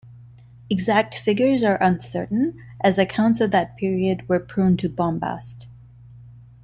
Exact figures are uncertain as accounts of that period were prone to bombast.